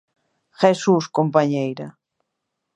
Jesús, compañeira.